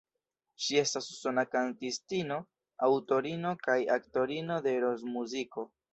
Ŝi estas usona kantistino, aŭtorino kaj aktorino de rokmuziko.